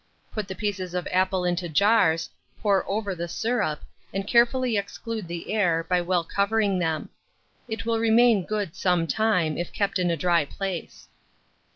Put the pieces of apple into jars, pour over the syrup, and carefully exclude the air, by well covering them. It will remain good some time, if kept in a dry place.